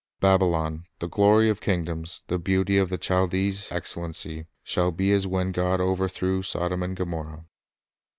'• Babylon, the glory of kingdoms, The beauty of the Chaldee's excellency, Shall be as when God overthrew Sodom and Gomorrah."